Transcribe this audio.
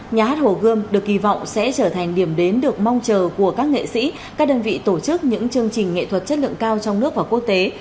nhà hát hồ gươm được kỳ vọng sẽ trở thành điểm đến được mong chờ của các nghệ sĩ các đơn vị tổ chức những chương trình nghệ thuật chất lượng cao trong nước và quốc tế